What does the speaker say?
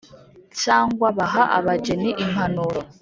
cyangwa baha abageni impanuro